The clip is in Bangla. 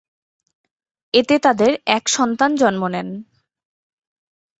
এতে তাদের এক সন্তান জন্ম নেন।